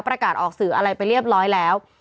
ประกาศออกสื่ออะไรไปเรียบร้อยแล้ว